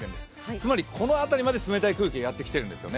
つまりこの辺りまで冷たい空気がやってきているんですね。